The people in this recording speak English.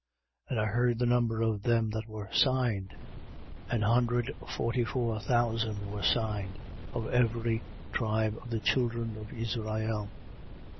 7:4. And I heard the number of them that were signed. An hundred forty four thousand were signed, of every tribe of the children of Israel.